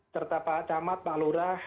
serta pak camat pak lurah